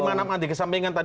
kesampaikan tadi mengatakan